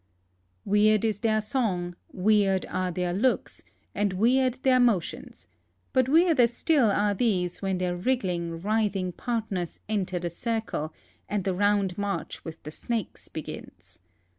Weird is their song, weird are tiieir looks, and weird their motions, but weirder still all these when their wrigghng, writhini.' partners enter the circle and the round march with the snakes begins.